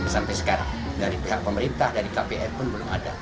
sampai sekarang dari pihak pemerintah dari kpr pun belum ada